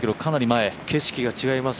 全然景色が違います。